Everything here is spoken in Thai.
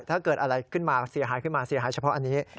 ถ้าเกิดอะไรขึ้นมาเสียหายขึ้นมาเสียหายเฉพาะอันนี้